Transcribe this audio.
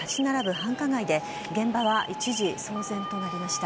繁華街で現場は一時騒然となりました。